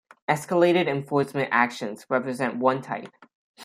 Escalated Enforcement Actions represent one type.